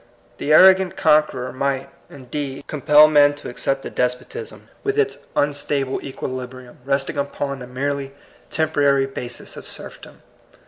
The arrogant conqueror might, in deed, compel men to accept a despotism. 10 THE COMING PEOPLE, with its unstable equilibrium, resting upon the merely temporary basis of serfdom.